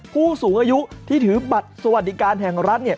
ผู้สูงอายุที่ถือบัตรสวัสดิการแห่งรัฐเนี่ย